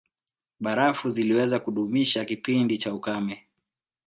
Barafu ziliweza kudumisha kipindi cha ukame